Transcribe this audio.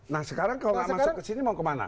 nah sekarang kalau enggak masuk kesini mau kemana